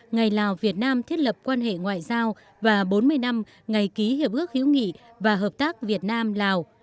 ngày lào việt nam thiết lập quan hệ ngoại giao và bốn mươi năm ngày ký hiệp ước hữu nghị và hợp tác việt nam lào